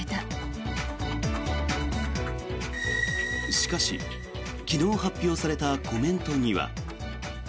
しかし、昨日発表されたコメントには。